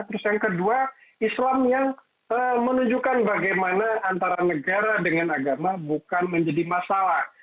terus yang kedua islam yang menunjukkan bagaimana antara negara dengan agama bukan menjadi masalah